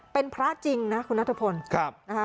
เป็นพระจริงนะคุณนัทพลนะคะ